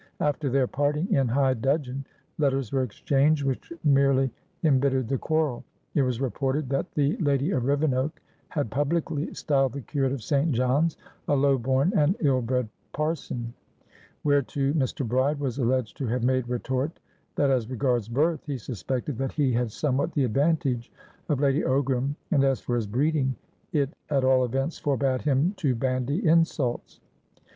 After their parting, in high dudgeon, letters were exchanged, which merely embittered the quarrel. It was reported that the Lady of Rivenoak had publicly styled the curate of St. John's "a low born and ill bred parson;" whereto Mr. Bride was alleged to have made retort that as regards birth, he suspected that he had somewhat the advantage of Lady Ogram, and, as for his breeding, it at all events forebade him to bandy insults.